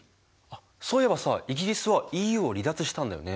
そういえばさイギリスはＥＵを離脱したんだよね。